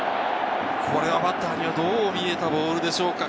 バッターにはどう見えたボールでしょうか？